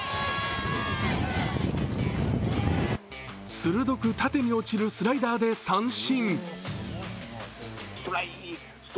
鋭く縦に落ちるスライダーで三振。